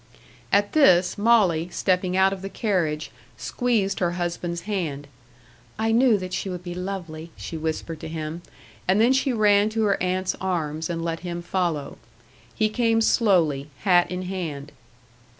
At this, Molly, stepping out of the carriage, squeezed her husband's hand. "I knew that she would be lovely," she whispered to him. And then she ran to her aunt's arms, and let him follow. He came slowly, hat in hand.